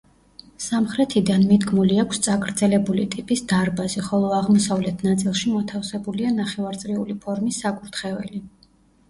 სამხრეთიდან მიდგმული აქვს წაგრძელებული ტიპის დარბაზი, ხოლო აღმოსავლეთ ნაწილში მოთავსებულია ნახევარწრიული ფორმის საკურთხეველი.